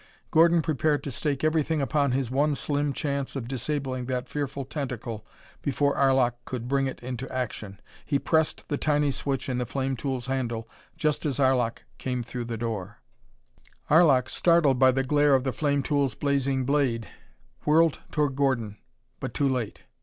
Gordon prepared to stake everything upon his one slim chance of disabling that fearful tentacle before Arlok could bring it into action. He pressed the tiny switch in the flame tool's handle just as Arlok came through the door. Arlok, startled by the glare of the flame tool's blazing blade, whirled toward Gordon but too late.